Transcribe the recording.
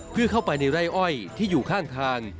เพื่อเข้าไปในไร่อ้อยที่อยู่ข้างทาง